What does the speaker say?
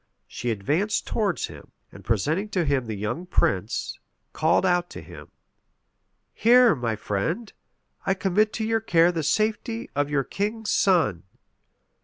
She advanced towards him; and presenting to him the young prince, called out to him, "Here, my friend, I commit to your care the safety of your king's son."